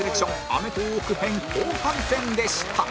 『アメトーーク』編後半戦でした